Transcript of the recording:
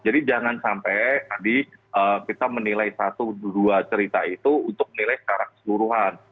jadi jangan sampai tadi kita menilai satu dua cerita itu untuk menilai secara keseluruhan